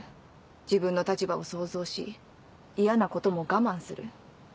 自分の立場を想像し嫌なことも我慢する。